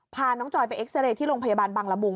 พาน้องจอยไปเอ็กซาเรย์ที่โรงพยาบาลบังละมุง